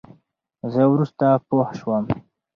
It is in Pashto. زه ورورسته پوشوم.